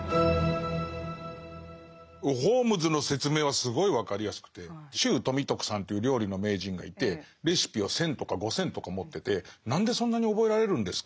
ホームズの説明はすごい分かりやすくて周富徳さんっていう料理の名人がいてレシピは１，０００とか５，０００とか持ってて「何でそんなに覚えられるんですか？」